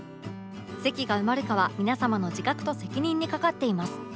席が埋まるかは皆様の自覚と責任に懸かっています